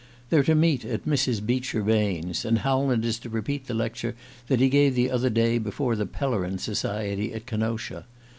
They're to meet at Mrs. Beecher Bain's, and Howland is to repeat the lecture that he gave the other day before the Pellerin Society at Kenosha.